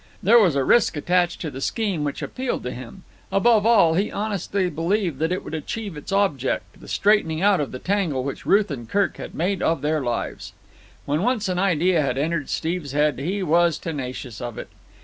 There was a risk attached to the scheme which appealed to him. Above all, he honestly believed that it would achieve its object, the straightening out of the tangle which Ruth and Kirk had made of their lives. When once an idea had entered Steve's head he was tenacious of it.